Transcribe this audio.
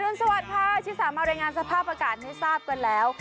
อรุณสวัสดิ์ค่ะชิคกี้พายมารายงานสภาพอากาศให้ทราบกันแล้ว